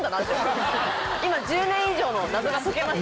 今１０年以上の謎が解けました